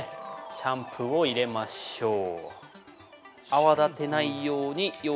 シャンプーを入れましょう。